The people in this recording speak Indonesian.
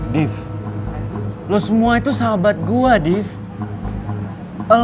diff lo semua itu sahabat gue diff